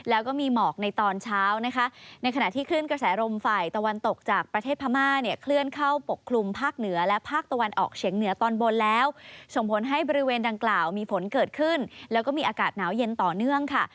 อากาศหนาวเย็นต่อเนื่องค่ะ